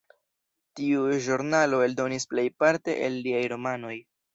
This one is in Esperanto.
Tiu ĵurnalo eldonis plejparte el liaj romanoj.